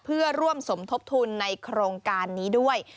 เพื่อร่วมสมทบทุนในโครงการนี้ด้วย